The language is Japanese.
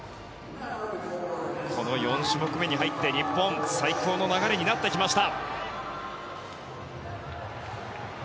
この４種目めに入って日本最高の流れになってきました。